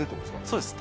そうです。